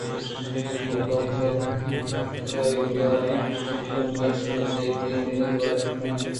توبہ گوٛش کئےاِت گڑا نوں من شمئے تہا کئی منّت وار بہ باں